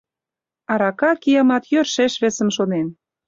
Арака, киямат, йӧршеш весым шонен...